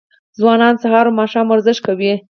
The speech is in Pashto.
ځوانان سهار او ماښام ورزش کوي.